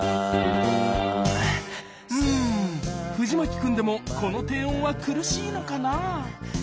うん藤牧くんでもこの低音は苦しいのかな